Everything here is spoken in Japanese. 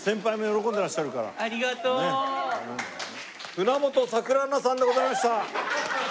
舩本桜菜さんでございました。